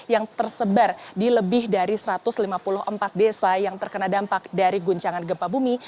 yang tersebar di lebih dari satu ratus lima puluh empat desa yang terkena dampak dari guncangan gempa bumi